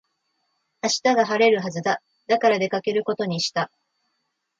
明日は晴れるはずだ。だから出かけることにした。